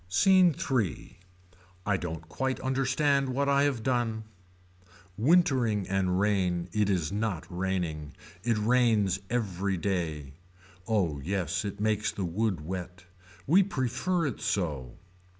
SCENE III. I don't quite understand what I have done. Wintering and rain it is not raining. It rains every day. Oh yes it makes the wood wet. We prefer it so.